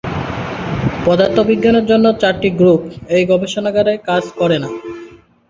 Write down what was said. পদার্থবিজ্ঞানের অন্য চারটি গ্রুপ এই গবেষণাগারে কাজ করে না।